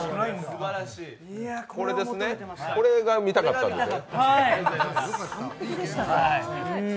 これが見たかったんですね。